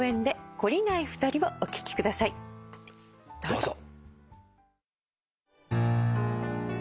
どうぞ。